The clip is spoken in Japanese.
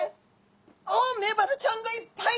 おっメバルちゃんがいっぱい。